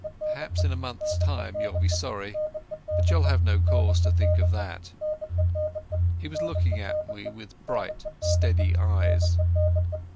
Perhaps in a month's time you'll be sorry, but you have no cause to think of that." He was looking at me with bright steady eyes.